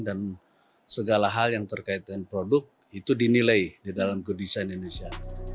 dan segala hal yang terkait dengan produk itu dinilai di dalam good design indonesia